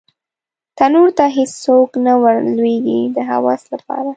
تنور ته هېڅوک نه ور لویږې د هوس لپاره